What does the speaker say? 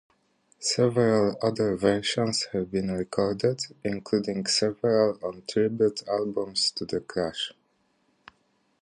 Several other versions have been recorded, including several on tribute albums to the Clash.